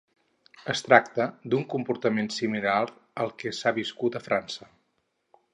Es tracta d'un comportament similar al que s'ha viscut a França.